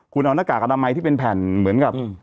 คุณเอาหน้ากากอนามัยที่เป็นแผ่นเหมือนกับ